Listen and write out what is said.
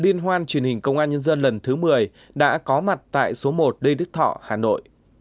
liên hoan truyền hình công an nhân dân lần thứ một mươi đã có mặt tại số một lê đức thọ hà nội